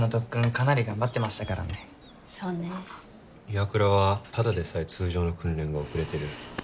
岩倉はただでさえ通常の訓練が遅れてる。